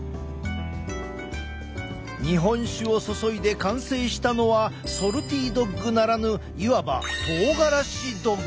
日本酒を注いで完成したのはソルティドッグならぬいわばとうがらしドッグ。